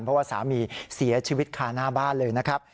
เพราะว่าสามีเสียชีวิตคาหน้าบ้านเลยนะครับ